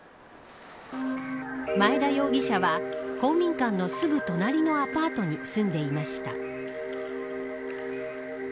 前田容疑者は公民館のすぐ隣のアパートに住んでいました。